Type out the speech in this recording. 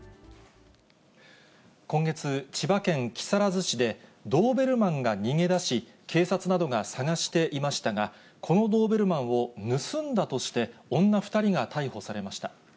今月、千葉県木更津市で、ドーベルマンが逃げ出し、警察などが捜していましたが、このドーベルマンを盗んだとして、女２人が逮捕されました。